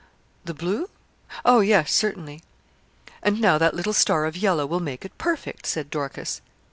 'The blue? Oh yes, certainly.' 'And now that little star of yellow will make it perfect,' said Dorcas.